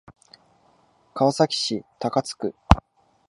川崎市高津区